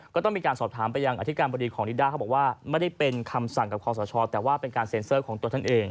ก็ต้องมีการสอบถามไปยังอธิการบดีของนิด้าเขาบอกว่าไม่ได้เป็นคำสั่งกับคอสชแต่ว่าเป็นการเซ็นเซอร์ของตัวท่านเอง